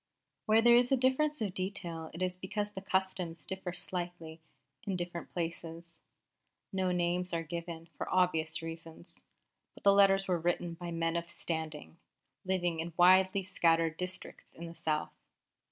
Where there is a difference of detail it is because the customs differ slightly in different places. No names are given, for obvious reasons; but the letters were written by men of standing, living in widely scattered districts in the South.